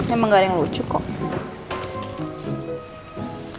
emang gak ada yang lucu kok